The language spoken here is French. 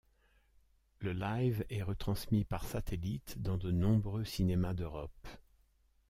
Le live est retransmis par satellite dans de nombreux cinémas d'Europe.